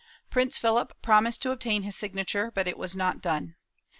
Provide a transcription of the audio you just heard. Prince Philip promised to obtain his signature, but it was not done.